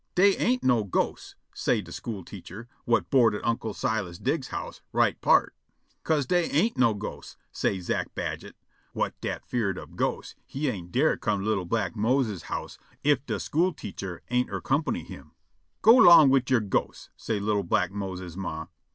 "Dey ain't no ghosts," say' de school teacher, whut board at Unc' Silas Diggs's house, right peart. "'Co'se dey ain't no ghosts," say' Zack Badget, whut dat 'fear'd ob ghosts he ain't dar' come to li'l' black Mose's house ef de school teacher ain't ercompany him. "Go 'long wid your ghosts!" say li'l' black Mose's ma.